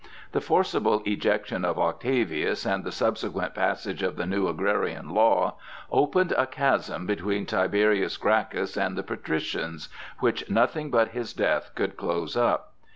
The forcible ejection of Octavius and the subsequent passage of the new agrarian law opened a chasm between Tiberius Gracchus and the patricians, which nothing but his death could close up.